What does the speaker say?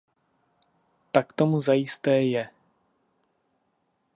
Tak tomu zajisté je.